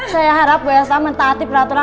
saya harap bu elsa mentaati peraturan